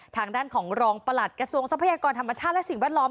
ทางด้านของรองประหลัดกระทรวงทรัพยากรธรรมชาติและสิ่งแวดล้อม